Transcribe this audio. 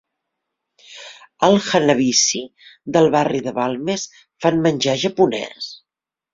Al Hanabishi del barri de Balmes fan menjar japonés?